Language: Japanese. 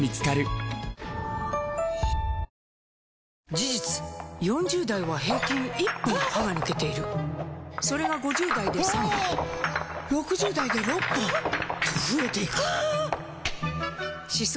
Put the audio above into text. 事実４０代は平均１本歯が抜けているそれが５０代で３本６０代で６本と増えていく歯槽